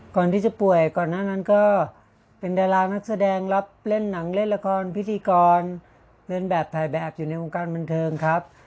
ก่อนที่จะป่วยก่อนหน้านั้นก็เป็นดารานักแสดงรับเล่นหนังเล่นละครพิธีกรเล่นแบบถ่ายแบบอยู่ในวงการบันเทิงครับ